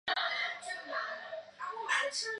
县治位于漯水市。